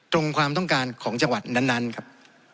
ความต้องการของจังหวัดนั้นครับ